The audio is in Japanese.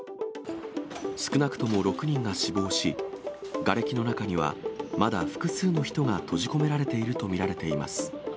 少なくとも６人が死亡し、がれきの中には、まだ複数の人が閉じ込められていると見られています。